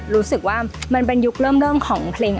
รู้สึกว่ามันเป็นยุคเริ่มของเพลง